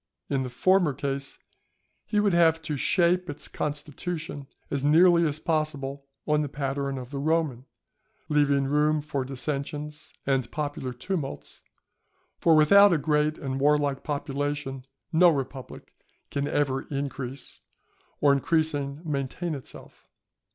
In the former case he would have to shape its constitution as nearly as possible on the pattern of the Roman, leaving room for dissensions and popular tumults, for without a great and warlike population no republic can ever increase, or increasing maintain itself.